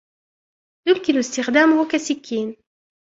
يمكن استخدامه كسكين.